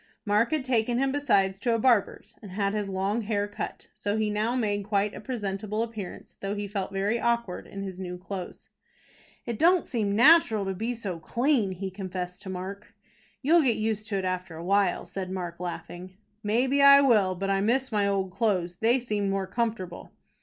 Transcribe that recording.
Mark had taken him besides to a barber's and had his long hair cut. So he now made quite a presentable appearance, though he felt very awkward in his new clothes. "It don't seem natural to be clean," he confessed to Mark. "You'll get used to it after a while," said Mark, laughing. "Maybe I will; but I miss my old clothes. They seemed more comfortable."